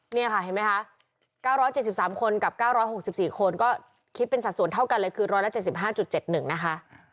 นี่ค่ะเห็นไหมคะ๙๗๓คนกับ๙๖๔คนก็คิดเป็นสัดส่วนเท่ากันเลยคือ๑๗๕๗๑นะคะ